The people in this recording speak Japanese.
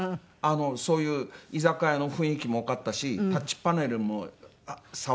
そういう居酒屋の雰囲気もわかったしタッチパネルも触れたし。